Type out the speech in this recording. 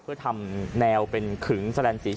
เพื่อทำแนวเป็นขึงแสลนสีเขียว